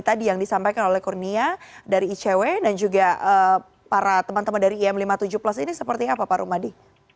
tadi yang disampaikan oleh kurnia dari icw dan juga para teman teman dari im lima puluh tujuh plus ini seperti apa pak rumadi